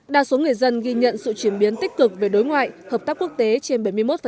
đa số người dân ghi nhận sự chuyển biến tích cực về đối ngoại hợp tác quốc tế trên bảy mươi một